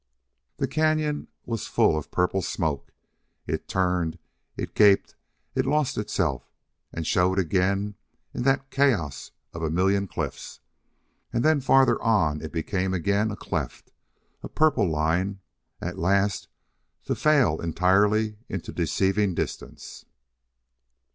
The cañon was full of purple smoke. It turned, it gaped, it lost itself and showed again in that chaos of a million cliffs. And then farther on it became again a cleft, a purple line, at last to fail entirely in deceiving distance.